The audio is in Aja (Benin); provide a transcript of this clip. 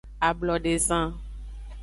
Ablodezan.